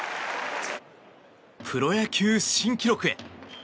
プロ野球新記録へ。